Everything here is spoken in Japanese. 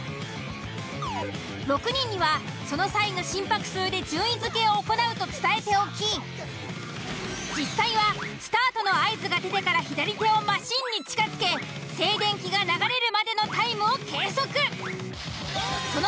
６人にはその際の心拍数で順位付けを行うと伝えておき実際はスタートの合図が出てから左手をマシンに近づけ静電気が流れるまでのタイムを計測。